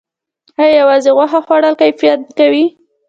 ایا یوازې غوښه خوړل کفایت کوي